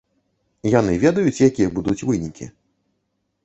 Яны ведаюць, якія будуць вынікі?